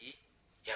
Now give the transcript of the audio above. ya gue tak bisa